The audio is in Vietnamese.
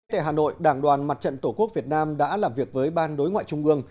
tại hà nội đảng đoàn mặt trận tổ quốc việt nam đã làm việc với ban đối ngoại trung ương